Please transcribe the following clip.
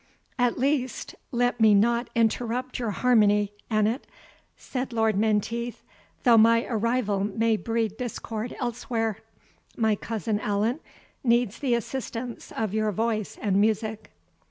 "At least, let me not interrupt your harmony, Annot," said Lord Menteith, "though my arrival may breed discord elsewhere. My cousin Allan needs the assistance of your voice and music."